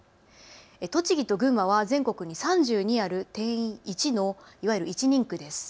栃木と群馬は全国に３２ある定員１のいわゆる１人区です。